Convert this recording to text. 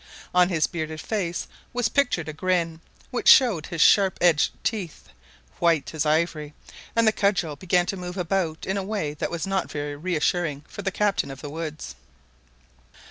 On his bearded face was pictured a grin, which showed his sharp edged teeth, white as ivory, and the cudgel began to move about in a way that was not very reassuring for the captain of the woods.